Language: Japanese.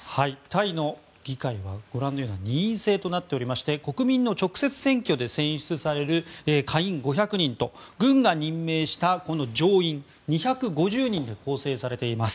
タイの議会は二院制となっていまして国民の直接選挙で選出される下院５００人と軍が任命した上院２５０人で構成されています。